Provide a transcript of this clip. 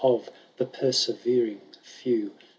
Of the perseyering few.